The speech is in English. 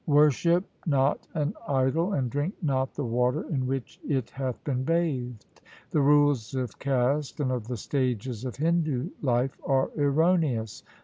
' Worship not an idol, and drink not the water in which it hath been bathed. The rules of caste and of the stages of Hindu life are erroneous.